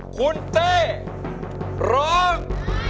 คุณเต้ร้อง